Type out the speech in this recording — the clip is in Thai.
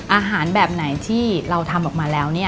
อาหารแบบไหนที่เราทำออกมาแล้ว